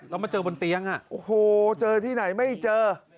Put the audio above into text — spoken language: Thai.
แล้วมาเจอบนเตียงโอ้โหเจอที่ไหนไม่เจอ